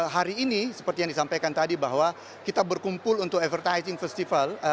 hari ini seperti yang disampaikan tadi bahwa kita berkumpul untuk advertising festival